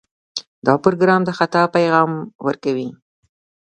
دا پروګرام د خطا پیغام ورکوي.